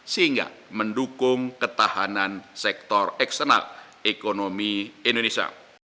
sehingga mendukung ketahanan sektor eksternal ekonomi indonesia